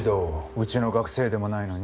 うちの学生でもないのに？